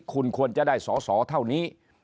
คุณควรจะได้สอสอเท่านี้